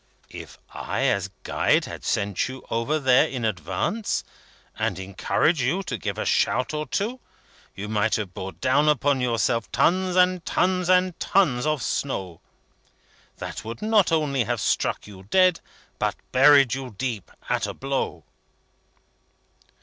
"If I, as Guide, had sent you over there, in advance, and encouraged you to give a shout or two, you might have brought down upon yourself tons and tons and tons of snow, that would not only have struck you dead, but buried you deep, at a blow."